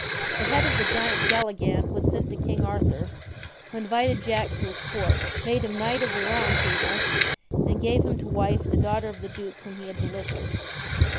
The head of the giant Galligant was sent to King Arthur, who invited Jack to his court, made him knight of the Round Table, and gave him to wife the daughter of the duke whom he had delivered.